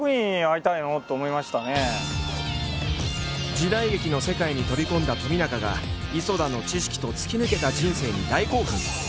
時代劇の世界に飛び込んだ冨永が磯田の知識と突き抜けた人生に大興奮！